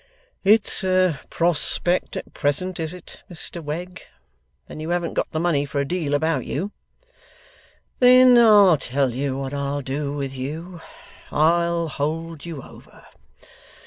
'It's a prospect at present, is it, Mr Wegg? Then you haven't got the money for a deal about you? Then I'll tell you what I'll do with you; I'll hold you over.